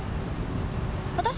私？